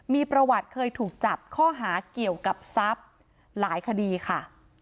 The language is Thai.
มีประวัติเคยถูกจับข้อหาเกี่ยวกับทรัพย์หลายคดีค่ะ